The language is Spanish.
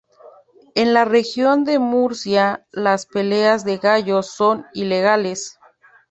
En la Región de Murcia las peleas de gallos son ilegales.